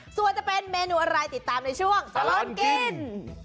ส่วนจะเป็นเมนูอะไรติดตามในช่วงตลอดกิน